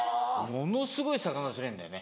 ものすごい魚釣れるんだよね。